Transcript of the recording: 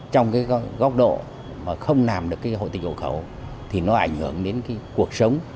trong cái góc độ mà không làm được cái hộ tịch hộ khẩu thì nó ảnh hưởng đến cuộc sống